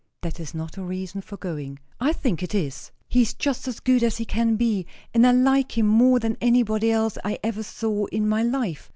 "That is not a reason for going." "I think it is. He is just as good as he can be, and I like him more than anybody else I ever saw in my life.